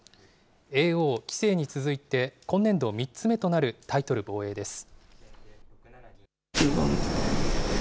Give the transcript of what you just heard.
叡王、棋聖に続いて今年度３つ目となるタイトル防衛です。